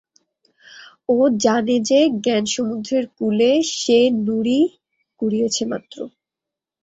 ও জানে যে, জ্ঞানসমুদ্রের কূলে সে নুড়ি কুড়িয়েছে মাত্র।